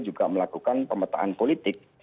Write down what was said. juga melakukan pemetaan politik